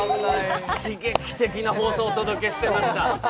刺激的な放送をお届けしてました。